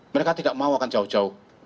mereka tidak mau akan jauh jauh